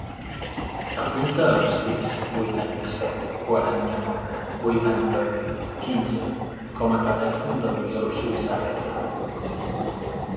Apunta el sis, vuitanta-set, quaranta-nou, vuitanta-u, quinze com a telèfon de l'Oriol Zubizarreta.